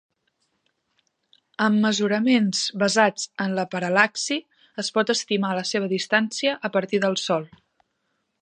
Amb mesuraments basats en la paral·laxi, es pot estimar la seva distància a partir del Sol.